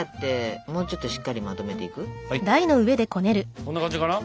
こんな感じかな？